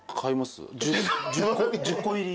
１０個入り。